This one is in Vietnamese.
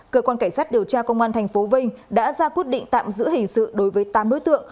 cơ quan cảnh sát điều tra công an tp vinh đã ra quyết định tạm giữ hình sự đối với tám đối tượng